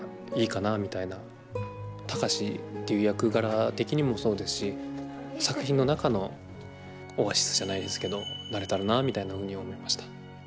貴司っていう役柄的にもそうですし作品の中のオアシスじゃないですけどなれたらなみたいなふうに思いました。